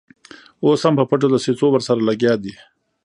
اوس هم په پټو دسیسو ورسره لګیا دي.